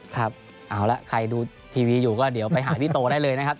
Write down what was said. ครับเอาละใครดูทีวีอยู่ก็เดี๋ยวไปหาพี่โตได้เลยนะครับ